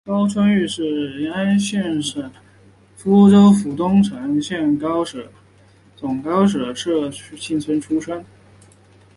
高春育是乂安省演州府东城县高舍总高舍社盛庆村出生。